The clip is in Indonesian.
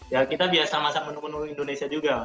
ya kita biasa masak menu menu indonesia juga